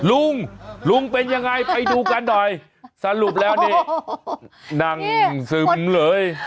ลุงลุงเป็นยังไงไปดูกันหน่อยสรุปแล้วนี่นั่งซึมเลย